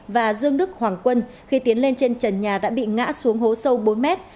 và dương đức hoàng quân khi tiến lên trên trần nhà đã bị ngã xuống hố sâu bốn mét